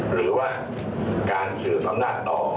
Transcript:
หรือว่าการสืบอำนาจต่อ